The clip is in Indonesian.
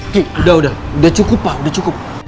ki sudah sudah sudah cukup pak sudah cukup